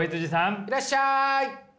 いらっしゃい！